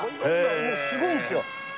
もうすごいんですよ。